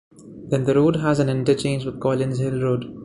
Then the road has an interchange with Collins Hill road.